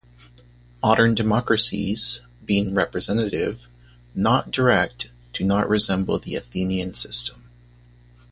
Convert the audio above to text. Modern democracies, being representative, not direct, do not resemble the Athenian system.